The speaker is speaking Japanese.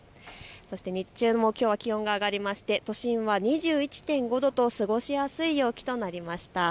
日中もきょうも気温が上がりまして都心は２１．５度と過ごしやすい陽気となりました。